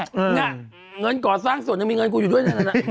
เนี่ยเงินก่อสร้างส่วนยังมีเงินของกูอยู่ด้วย